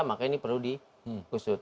maka ini perlu diusut